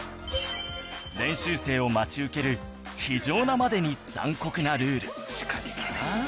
練習生を待ち受ける非情なまでに残酷なルール